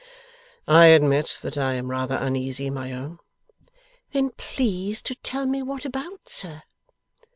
'I admit that I am rather uneasy, my own.' 'Then please to tell me what about, sir.